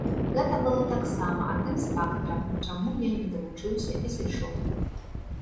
Гэта было таксама адным з фактараў, чаму я не давучыўся і сышоў.